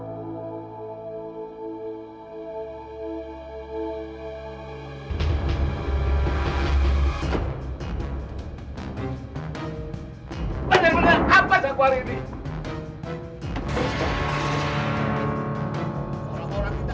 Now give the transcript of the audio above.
tapi kejahatannya apa